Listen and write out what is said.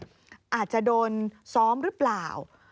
อาจจะโดนซ้อมหรือเปล่า